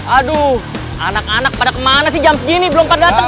aduh anak anak pada kemana sih jam segini belum pada datang